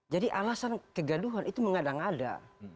jadi alasan kegaduhan itu mengadang ada